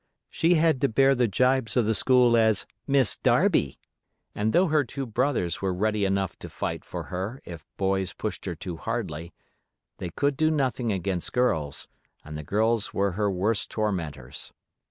She had to bear the gibes of the school as "Miss Darby", and though her two brothers were ready enough to fight for her if boys pushed her too hardly, they could do nothing against girls, and the girls were her worst tormentors.